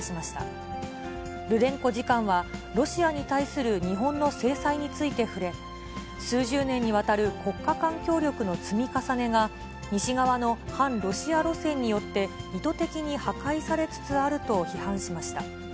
次官は、ロシアに対する日本の制裁について触れ、数十年にわたる国家間協力の積み重ねが、西側の反ロシア路線によって、意図的に破壊されつつあると批判しました。